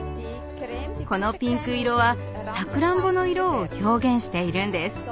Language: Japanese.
このピンク色はさくらんぼの色を表現しているんです。